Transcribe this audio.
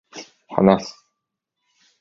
話す、